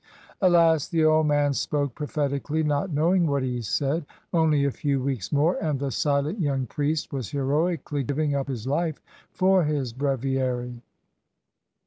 Alas ! the old man spoke prophetically, not know ing what he said. Only a few weeks more and the silent young priest was heroically giving up his life for his breviary.